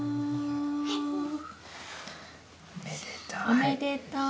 おめでとう。